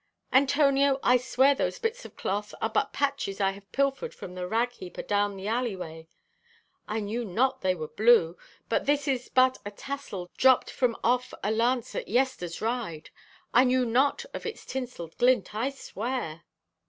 Antonio, I swear those bits of cloth are but patches I have pilfered from the ragheap adown the alleyway. I knew not they were blue. And this is but a tassel dropt from off a lance at yester's ride. I knew not of its tinselled glint, I swear!